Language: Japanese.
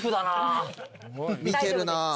見てるな。